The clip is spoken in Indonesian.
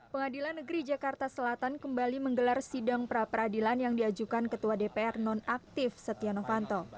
pengadilan negeri jakarta selatan kembali menggelar sidang pra peradilan yang diajukan ketua dpr non aktif setia novanto